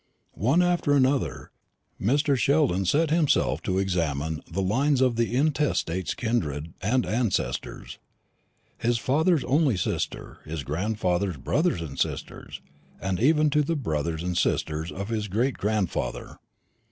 One after another Mr. Sheldon set himself to examine the lines of the intestate's kindred and ancestors; his father's only sister, his grandfather's brothers and sisters, and even to the brothers and sisters of his great grandfather.